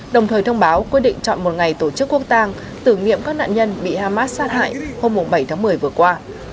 đồng thời thông báo quyết định chọn một ngày tổ chức quốc tàng tử nghiệm các nạn nhân bị hamas sát hại hôm bảy tháng một mươi vừa qua